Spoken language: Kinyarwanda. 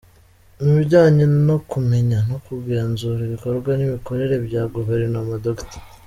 Mu bijyanye no kumenya no kugenzura ibikorwa n’imikorere bya Guverinoma Dr.